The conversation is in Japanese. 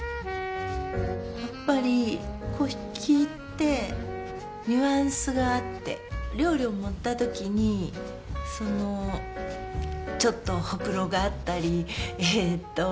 やっぱり粉引ってニュアンスがあって料理を盛った時にちょっとほくろがあったりえっと